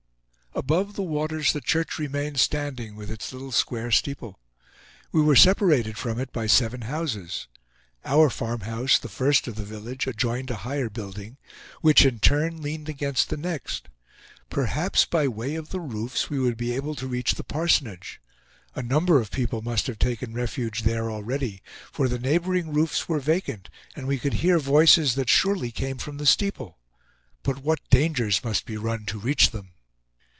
Above the waters the church remained standing, with its little square steeple. We were separated from it by seven houses. Our farmhouse, the first of the village, adjoined a higher building, which, in turn, leaned against the next. Perhaps, by way of the roofs, we would be able to reach the parsonage. A number of people must have taken refuge there already, for the neighboring roofs were vacant, and we could hear voices that surely came from the steeple. But what dangers must be run to reach them!